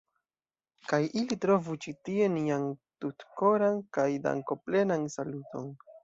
Kaj ili trovu ĉi tie nian tutkoran kaj dankoplenan saluton.